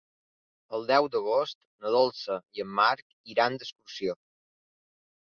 El deu d'agost na Dolça i en Marc iran d'excursió.